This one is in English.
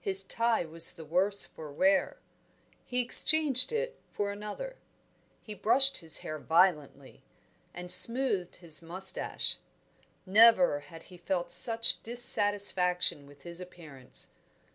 His tie was the worse for wear. He exchanged it for another. He brushed his hair violently, and smoothed his moustache. Never had he felt such dissatisfaction with his appearance.